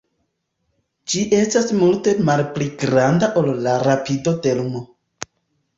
Ĝi estas multe malpli granda ol la rapido de lumo.